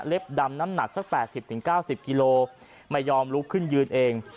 ดำน้ำหนักสัก๘๐๙๐กิโลไม่ยอมลุกขึ้นยืนเอง